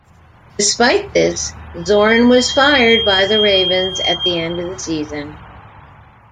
Despite this, Zorn was fired by the Ravens at the end of the season.